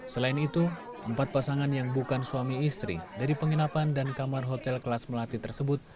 selain itu empat pasangan yang bukan suami istri dari penginapan dan kamar hotel kelas melati tersebut